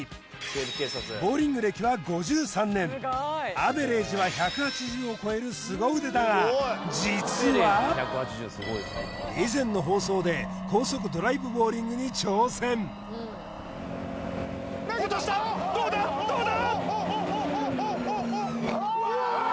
アベレージは１８０を超えるすご腕だが実は以前の放送で高速ドライブボウリングに挑戦落としたどうだどうだ！